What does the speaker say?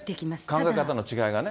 考え方の違いがね。